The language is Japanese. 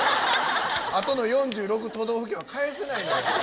あとの４６都道府県は返せないのよ大阪以外は。